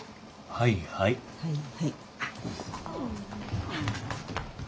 はいはい。